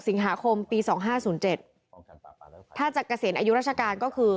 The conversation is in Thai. สิงหาคมปีสองห้าศูนย์เจ็ดถ้าจะเกษียณอายุราชการก็คือ